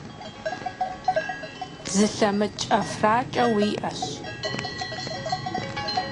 Zılhemıç' 'efraç'e yi 'ıheş.